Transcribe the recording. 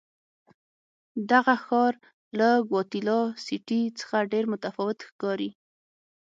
دغه ښار له ګواتیلا سیټي څخه ډېر متفاوت ښکاري.